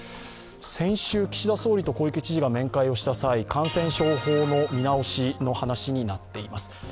先週岸田総理と小池知事が面会をした際、感染症法の見直しの話になっています。